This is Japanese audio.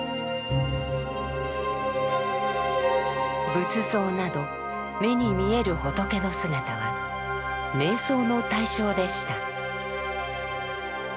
仏像など目に見える仏の姿は瞑想の対象でした。